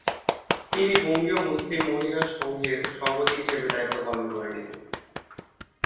তিনি বঙ্গীয় মুসলিম মহিলা সংঘের সভাপতি হিসাবে দায়িত্ব পালন করেন।